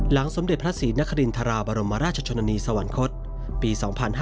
สมเด็จพระศรีนครินทราบรมราชชนนีสวรรคตปี๒๕๕๙